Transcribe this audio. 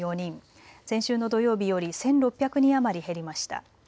先週の土曜日より１６００人余り減りました。